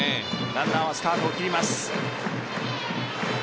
ランナーはスタートを切ります。